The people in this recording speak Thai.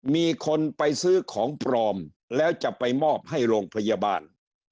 มีคนไปซื้อของปลอมแล้วจะไปมอบให้โรงพยาบาล